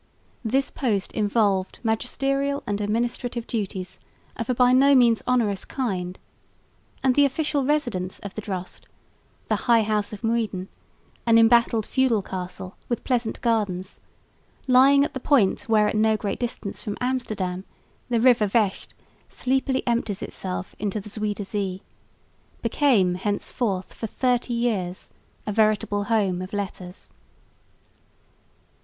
This post involved magisterial and administrative duties of a by no means onerous kind; and the official residence of the Drost, the "High House of Muiden," an embattled feudal castle with pleasant gardens, lying at the point where at no great distance from Amsterdam the river Vecht sleepily empties itself into the Zuyder Zee, became henceforth for thirty years a veritable home of letters.